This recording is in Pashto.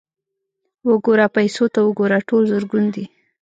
_وګوره، پيسو ته وګوره! ټول زرګون دي.